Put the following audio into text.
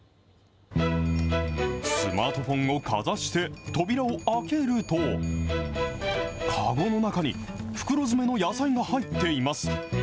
スマートフォンをかざして、扉を開けると、籠の中に、袋詰めの野菜が入っています。